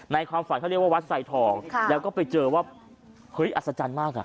ความฝันเขาเรียกว่าวัดไซทองแล้วก็ไปเจอว่าเฮ้ยอัศจรรย์มากอ่ะ